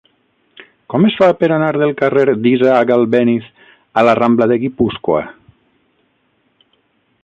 Com es fa per anar del carrer d'Isaac Albéniz a la rambla de Guipúscoa?